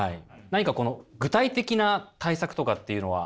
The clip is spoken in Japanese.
何かこの具体的な対策とかっていうのは？